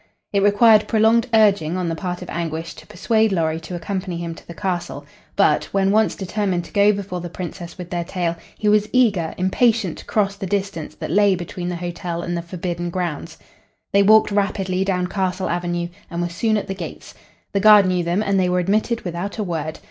It required prolonged urging on the part of Anguish to persuade Lorry to accompany him to the castle, but, when once determined to go before the Princess with their tale, he was eager, impatient to cross the distance that lay between the hotel and the forbidden grounds. They walked rapidly down Castle Avenue and were soon at the gates. The guard knew them, and they were admitted without a word.